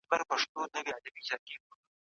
د برښنا ګروپونه بې ځایه مه روښانه کوئ.